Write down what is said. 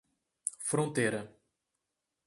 Fronteira